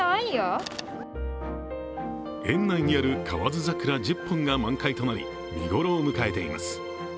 園内にある河津桜１０本が満開となり、見頃を迎えています。